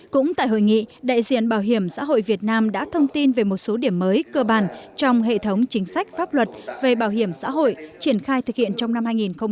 cũng tại hội nghị đại diện bảo hiểm xã hội việt nam đã thông tin về một số điểm mới cơ bản trong hệ thống chính sách pháp luật về bảo hiểm xã hội triển khai thực hiện trong năm hai nghìn hai mươi bốn